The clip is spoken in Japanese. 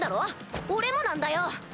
俺もなんだよ！